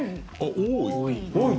多い。